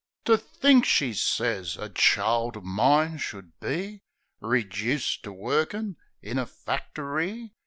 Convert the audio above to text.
''To think," she sez, "a child o' mine should be Rejuiced to workin' in a factory!